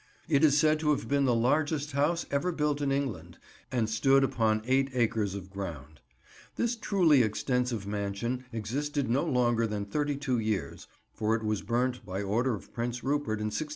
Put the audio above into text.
It is said to have been the largest house ever built in England, and stood upon eight acres of ground. This truly extensive mansion existed no longer than thirty two years, for it was burnt by order of Prince Rupert in 1645.